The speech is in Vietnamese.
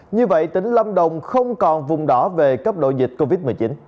như vậy tỉnh lâm đồng không còn vùng đỏ về cấp độ dịch covid một mươi chín